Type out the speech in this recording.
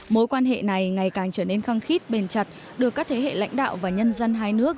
mối quan hệ này ngày càng trở nên khăng khít bền chặt được các thế hệ lãnh đạo và nhân dân hai nước